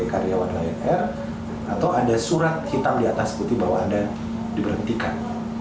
karyawan lion air atau ada surat hitam di atas putih bahwa anda diberhentikan